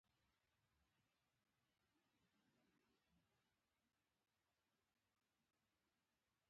ټپيان مو په دوو ډاټسنو کښې واچول روان سو.